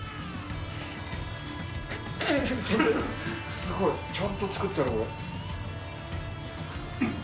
すごい、ちゃんと作ってある。